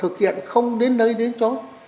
được lại với mong muốn kỳ vọng